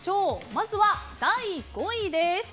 まずは第５位です。